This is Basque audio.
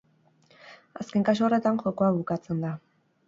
Azken kasu horretan, jokoa bukatzen da.